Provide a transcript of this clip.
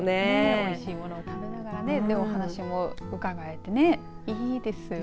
おいしいものを食べながらお話もうかがえてねいいですよね。